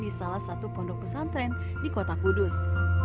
di salah satu pondok pesantren di kota kudus